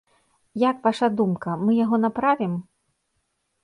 Як ваша думка, мы яго направім?